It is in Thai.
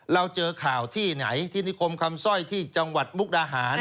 เราเจอข่าวที่ไหนที่นิคมคำสร้อยที่จังหวัดมุกดาหาร